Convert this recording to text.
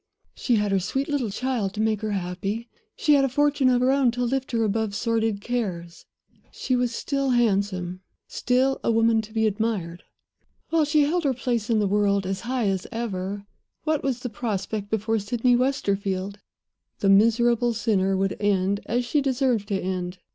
She had her sweet little child to make her happy; she had a fortune of her own to lift her above sordid cares; she was still handsome, still a woman to be admired. While she held her place in the world as high as ever, what was the prospect before Sydney Westerfield? The miserable sinner would end as she had deserved to end.